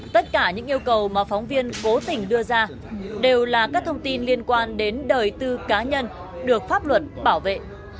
tất cả những yêu cầu mà phóng viên cố tình đưa ra đều là các thông tin liên quan đến đời tư cá nhân được pháp luật bảo vệ